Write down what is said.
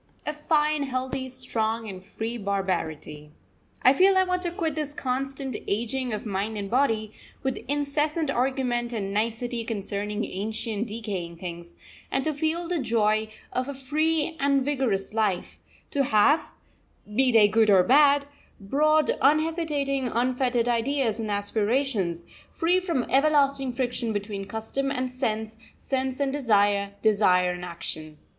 A fine, healthy, strong, and free barbarity. I feel I want to quit this constant ageing of mind and body, with incessant argument and nicety concerning ancient decaying things, and to feel the joy of a free and vigorous life; to have, be they good or bad, broad, unhesitating, unfettered ideas and aspirations, free from everlasting friction between custom and sense, sense and desire, desire and action.